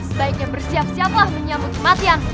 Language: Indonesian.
sebaiknya bersiap siap lah menyambut kematian